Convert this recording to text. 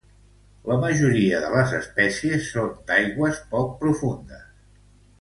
La majoria de les espècies són d'aigües poc profundes.